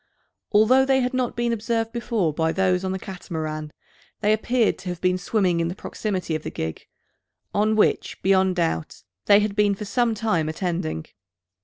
Although they had not been observed before by those on the Catamaran, they appeared to have been swimming in the proximity of the gig, on which, beyond doubt, they had been for some time attending.